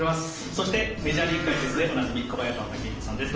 そして、メジャーリーグ解説でおなじみ小早川毅彦さんです。